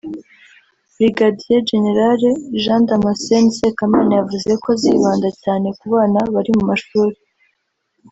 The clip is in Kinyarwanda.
Brigadier General Jean Damascene Sekamana yavuze ko azibanda cyane ku bana bari mu mashuli